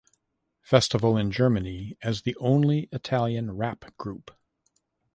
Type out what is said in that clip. Festival in Germany as the only Italian rap group.